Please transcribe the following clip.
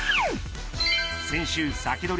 先週、サキドリ！